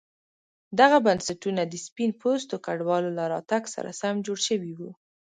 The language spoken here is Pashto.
دغه بنسټونه د سپین پوستو کډوالو له راتګ سره سم جوړ شوي وو.